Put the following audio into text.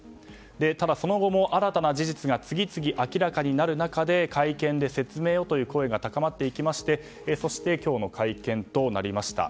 ただ、その後も新たな事実が次々と明らかになる中で会見で説明をという声が高まっていきましてそして、今日の会見となりました。